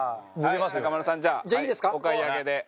中丸さんじゃあお買い上げで。